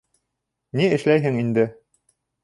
— Ни эшләйһең инде.